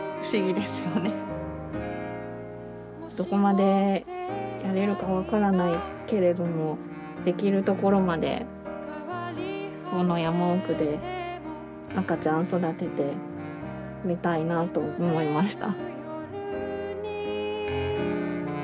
どこまでやれるか分からないけれどもできるところまでこの山奥で赤ちゃん育ててみたいなと思いました。